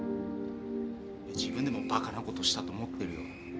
自分でもバカなことしたと思ってるよ